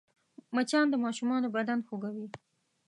مچان د ماشومانو بدن خوږوي